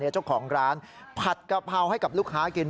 เจ้าของร้านผัดกะเพราให้กับลูกค้ากิน